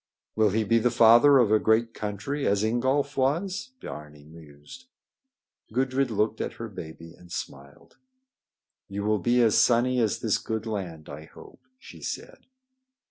"Will he be the father of a great country, as Ingolf was?" Biarni mused. Gudrid looked at her baby and smiled. "You will be as sunny as this good land, I hope," she said.